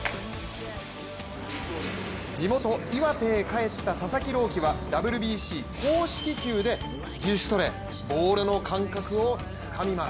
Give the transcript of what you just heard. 地元・岩手へ帰った佐々木朗希はＷＢＣ公式球で自主トレボールの感覚をつかみます。